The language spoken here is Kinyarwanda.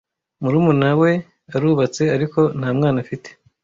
Murumuna we arubatse, ariko nta mwana afite.